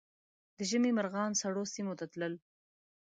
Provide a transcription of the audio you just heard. د ژمي مرغان سړو سیمو ته تلل